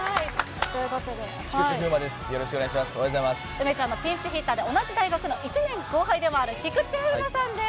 梅ちゃんのピンチヒッターで同じ大学の１年後輩でもある菊池風磨さんです。